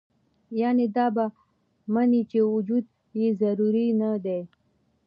يعني دا به مني چې وجود ئې ضروري نۀ دے